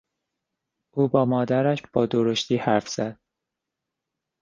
او با مادرش با درشتی حرف زد.